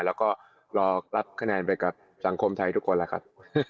แล้วก็รอรับคะแนนไปกับสังคมไทยทุกคนแล้วครับ